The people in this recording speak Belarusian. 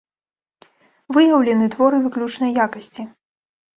Выяўлены творы выключнай якасці.